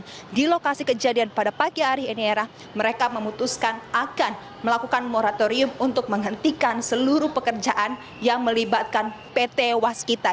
namun di lokasi kejadian pada pagi hari ini hera mereka memutuskan akan melakukan moratorium untuk menghentikan seluruh pekerjaan yang melibatkan pt waskita